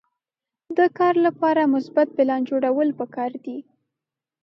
د کار لپاره مثبت پلان جوړول پکار دي.